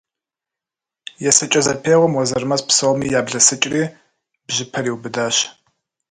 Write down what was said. Есыкӏэ зэпеуэм Уэзырмэс псоми яблэсыкӏри бжьыпэр иубыдащ.